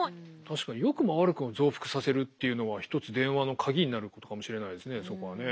確かによくも悪くも増幅させるっていうのは一つ電話の鍵になることかもしれないですね